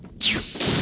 janganlah kau berguna